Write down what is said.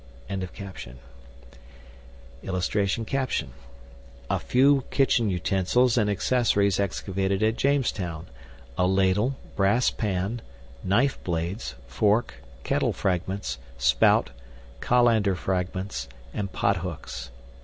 ] [Illustration: A FEW KITCHEN UTENSILS AND ACCESSORIES EXCAVATED AT JAMESTOWN: A LADLE, BRASS PAN, KNIFE BLADES, FORK, KETTLE FRAGMENTS, SPOUT, COLANDER FRAGMENTS, AND POT HOOKS.